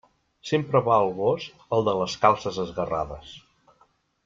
Sempre va el gos al de les calces esgarrades.